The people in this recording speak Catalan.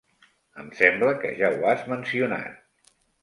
Em sembla que ja ho has mencionat.